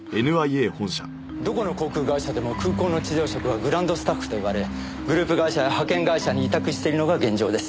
どこの航空会社でも空港の地上職はグランドスタッフと言われグループ会社や派遣会社に委託してるのが現状です。